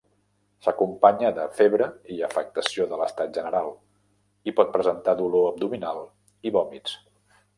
S'acompanya de febre i afectació de l'estat general, i pot presentar dolor abdominal i vòmits.